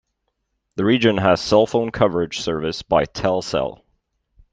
The region has cell phone coverage service by TelCel.